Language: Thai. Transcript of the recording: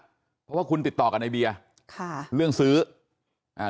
เพราะว่าคุณติดต่อกับในเบียร์ค่ะเรื่องซื้ออ่า